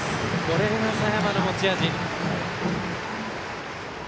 これが佐山の持ち味。